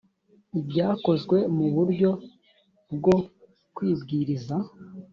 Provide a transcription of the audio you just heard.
ibyakozwe mu buryo bwo kwibwiriza